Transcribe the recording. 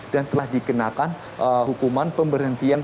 dan telah dikenakan hukuman pemberhentian